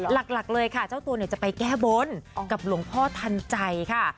หลักเลยค่ะเจ้าตัวจะไปแก้บนกับหลวงพ่อทันใจค่ะ